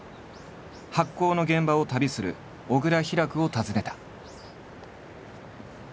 発酵の現場を旅する小倉ヒラクを訪ねた。